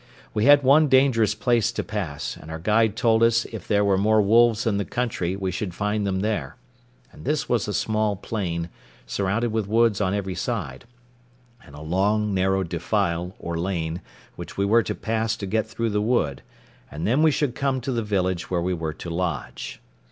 We had one dangerous place to pass, and our guide told us if there were more wolves in the country we should find them there; and this was a small plain, surrounded with woods on every side, and a long, narrow defile, or lane, which we were to pass to get through the wood, and then we should come to the village where we were to lodge.